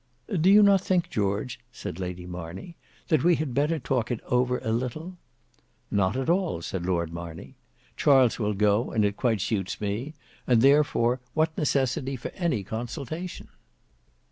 "Do not you think, George," said Lady Marney, "that we had better talk it over a little?" "Not at all," said Lord Marney: "Charles will go, and it quite suits me, and therefore what necessity for any consultation?"